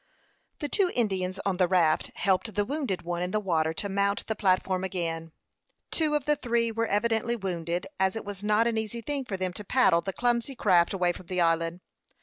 The two Indians on the raft helped the wounded one in the water to mount the platform again. Two of the three were evidently wounded, and it was not an easy thing for them to paddle the clumsy craft away from the island.